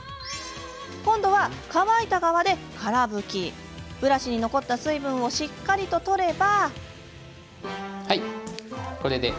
今度は乾いた側で、から拭きブラシに残った水分をしっかりと取れば。